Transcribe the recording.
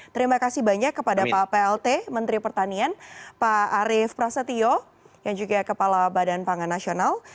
terima kasih banyak kepada pak plt menteri pertanian pak arief prasetyo yang juga kepala badan pangan nasional